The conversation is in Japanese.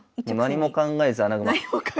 何も考えず穴熊。